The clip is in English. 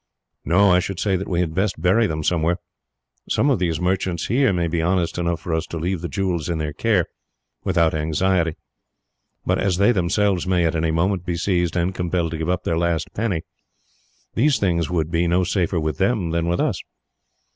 "No; I should say that we had best bury them somewhere. Some of these merchants here may be honest enough for us to leave the jewels in their care, without anxiety; but as they themselves may, at any moment, be seized and compelled to give up their last penny, these things would be no safer with them than with us.